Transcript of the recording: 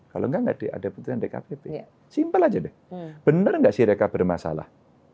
kalau enggak enggak ada putusan dkpp simpel aja deh bener enggak si reka bermasalah